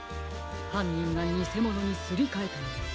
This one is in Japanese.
はんにんがにせものにすりかえたのです。